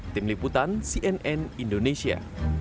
tim liputan cnn indonesia